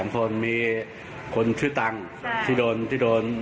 ๓คนมีคนชื่อตังค์ที่โดนที่โดน